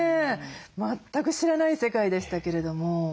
全く知らない世界でしたけれども。